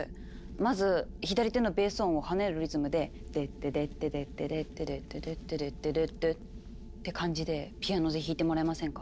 まず左手のベース音を跳ねるリズムで「デッデデッデデッデデッデデッデデッデデッデデッデ」って感じでピアノで弾いてもらえませんか？